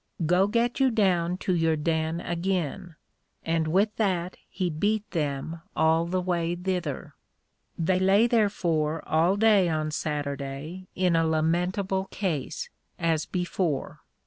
Go get you down to your Den again; and with that he beat them all the way thither. They lay therefore all day on Saturday in a lamentable case, as before.